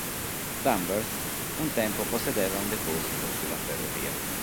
Danvers un tempo possedeva un deposito sulla ferrovia.